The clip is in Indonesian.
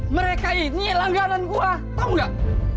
mereka ini langganan gue tau gak